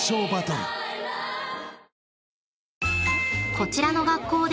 ［こちらの学校で］